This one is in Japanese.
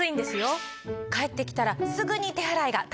帰ってきたらすぐに手洗いが大切ですね！